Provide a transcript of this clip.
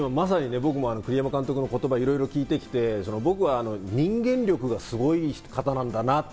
栗山監督の言葉をいろいろ聞いてきて、僕は人間力がすごい方なんだなと。